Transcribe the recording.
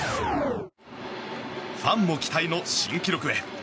ファンも期待の新記録へ。